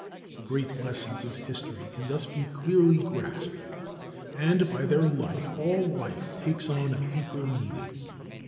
The great lessons of history can thus be clearly grasped. And by their light all life takes on a deeper meaning.